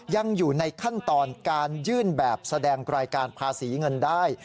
ยังอยู่ในขั้นตอนการยื่นแบบแสดงรายการภาษีเงินได้